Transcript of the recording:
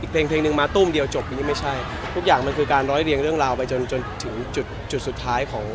เพลงเพลงหนึ่งมาตู้มเดียวจบอย่างนี้ไม่ใช่ทุกอย่างมันคือการร้อยเรียงเรื่องราวไปจนจนถึงจุดจุดสุดท้ายของ